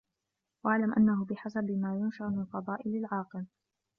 وَاعْلَمْ أَنَّهُ بِحَسَبِ مَا يُنْشَرُ مِنْ فَضَائِلِ الْعَاقِلِ